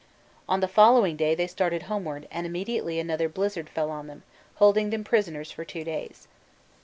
On the following day they started homeward, and immediately another blizzard fell on them, holding them prisoners for two days.